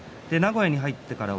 名古屋に入ってから